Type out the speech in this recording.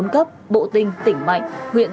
bốn cấp bộ tinh tỉnh mạnh huyện